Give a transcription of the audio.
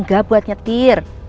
gak buat nyetir